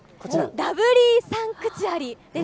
ラブリー・サンクチュアリです。